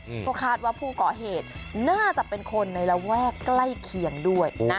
ก็คาดว่าผู้ก่อเหตุน่าจะเป็นคนในระแวกใกล้เคียงด้วยนะ